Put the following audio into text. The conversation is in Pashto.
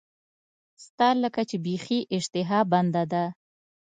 ستا لکه چې بیخي اشتها بنده ده.